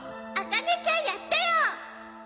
あかねちゃんやってよ！